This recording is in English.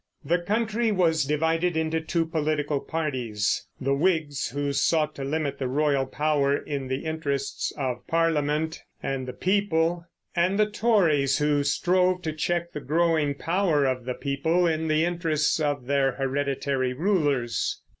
The country was divided into two political parties: the Whigs, who sought to limit the royal power in the interests of Parliament and the people; and the Tories, who strove to check the growing power of the people in the interests of their hereditary rulers.